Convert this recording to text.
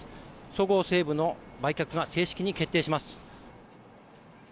そごう・西武の売却が正式に決定します。